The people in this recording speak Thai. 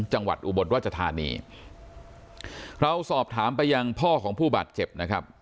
อุบลราชธานีเราสอบถามไปยังพ่อของผู้บาดเจ็บนะครับ